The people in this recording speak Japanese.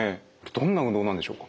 どんな運動なんでしょうか？